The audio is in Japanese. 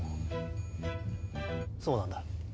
そうなんだ。